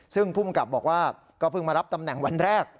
ซึ่งภูมิกับบอกว่าก็เพิ่งมารับตำแหน่งวันแรก